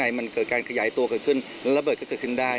และร้อนก็มีกระดาษที่ขวางในเกิดกราบครับตอนนั้นที่ร้อนกัน